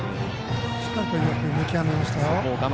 しっかりと見極めましたよ。